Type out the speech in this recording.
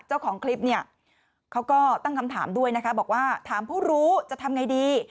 เจ้าของคลิปเนี่ยเขาก็ตั้งคำถามด้วยนะคะบอกว่าถามผู้รู้จะทำไงดี